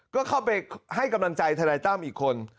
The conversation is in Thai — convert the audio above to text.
ก็เข้าไปให้กำลังใจทนายตั้มอีกคน